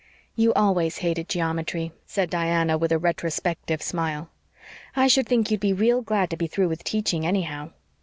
"You always hated geometry," said Diana with a retrospective smile. "I should think you'd be real glad to be through with teaching, anyhow."